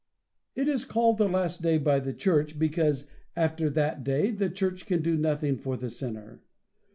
It is called the last day by the Church, because after that day the Church can do nothing for the sinner.